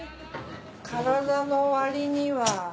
体のわりには。